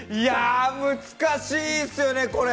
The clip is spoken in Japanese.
難しいですよね、これ。